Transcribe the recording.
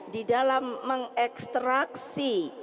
di dalam mengekstraksi